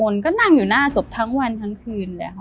นก็นั่งอยู่หน้าศพทั้งวันทั้งคืนเลยค่ะ